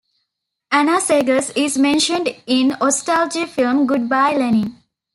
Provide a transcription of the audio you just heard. Anna Seghers is mentioned in the ostalgie film, "Good Bye Lenin!".